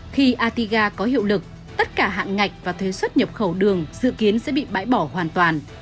khi atiga có hiệu lực tất cả hạng ngạch và thuế xuất nhập khẩu đường dự kiến sẽ bị bãi bỏ hoàn toàn